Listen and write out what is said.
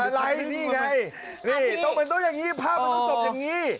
อะไรนี่ไงนี่ต้องเป็นต้องอย่างนี้ภาพมันต้องจบอย่างนี้